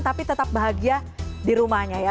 tapi tetap bahagia di rumahnya ya